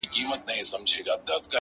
o زړه مي ورېږدېدی،